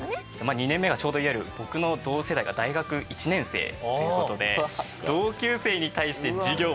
２年目がちょうどいわゆる僕の同世代が大学１年生っていう事ですごいねそれ！